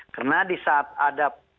karena di saat ada